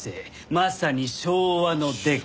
まさに昭和のデカ。